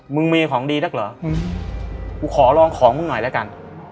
มึงมีของดีนักเหรอกูขอลองของมึงหน่อยแล้วกัน